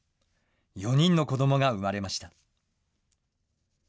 ４人の子どもが生まれました。